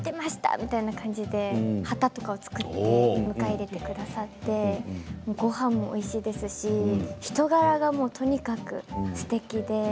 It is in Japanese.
みたいな感じで旗とかを作って迎え入れてくださってごはんもおいしいですし人柄がとにかくすてきで。